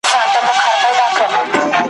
په ظاهره وي په سپینو جامو ښکلی `